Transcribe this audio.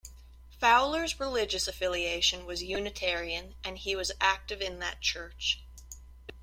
Fowler's religious affiliation was Unitarian, and he was active in that church.